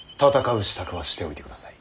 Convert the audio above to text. う支度はしておいてください。